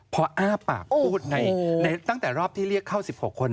พออ้าปากพูดในตั้งแต่รอบที่เรียกเข้า๑๖คน